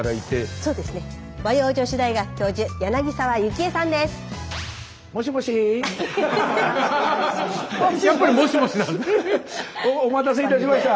どうもお待たせいたしました。